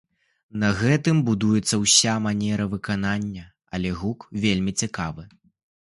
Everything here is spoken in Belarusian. На гэтым будуецца ўся манера выканання, але гук вельмі цікавы.